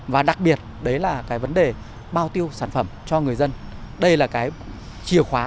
và đặc biệt đấy là cái vấn đề bao tiêu sản phẩm cho người dân đây là cái chìa khóa